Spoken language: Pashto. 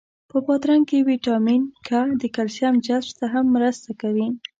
په بادرنګ کی ویټامین کا د کلسیم جذب ته هم مرسته کوي.